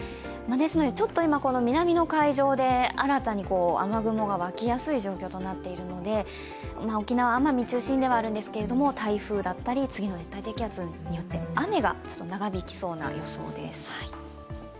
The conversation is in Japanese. ちょっと今南の海上で新たに雨雲がわきやすい状況となっているので沖縄・奄美中心ではあるんですけど台風だったり次の熱帯低気圧によって雨が長引きそうな予想です。